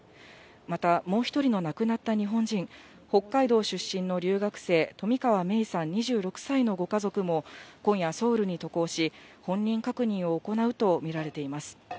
また、もう１人の亡くなった日本人、北海道出身の留学生、冨川芽生さん２６歳のご家族も、今夜、ソウルに渡航し、本人確認を行うと見られています。